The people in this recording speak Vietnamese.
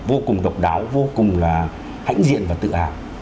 vô cùng độc đáo vô cùng là hãnh diện và tự hào